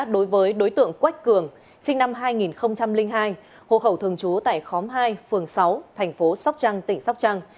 đối với đối tượng quách cường sinh năm hai nghìn hai hồ khẩu thường trú tại khóm hai phường sáu thành phố sóc trăng tỉnh sóc trăng